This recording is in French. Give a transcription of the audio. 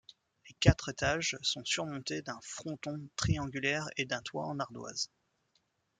Les quatre étages sont surmontés d’un fronton triangulaire et d’un toit en ardoise.